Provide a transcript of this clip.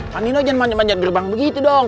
panino jangan manjam manjat gerbang begitu dong